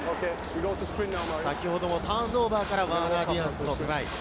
先ほどもターンオーバーからワーナー・ディアンズのトライ。